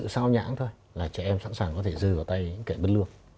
sao nhãn thôi là trẻ em sẵn sàng có thể rơi vào tay kẻ bất lương